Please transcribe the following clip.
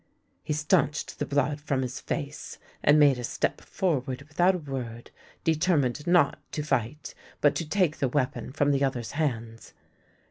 He stanched the blood from his face, and made a step forward without a word, determined not to fight, but to take the weapon from the other's hands.